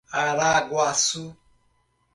Araguaçu